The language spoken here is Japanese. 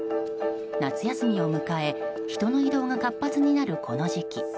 夏休みを迎え人の移動が活発になるこの時期。